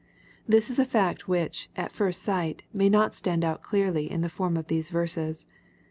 This is a fact which, at first sight, may not stand out clearly in the form of these verses.